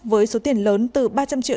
với số tiền lớn từ ba trăm linh triệu